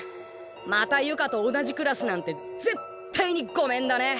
また由香と同じクラスなんてぜったいにごめんだね！